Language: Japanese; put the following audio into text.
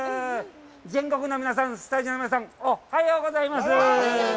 全国の皆さん、スタジオの皆さん、おっはようございます。